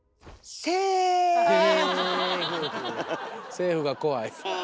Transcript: セーフが怖い。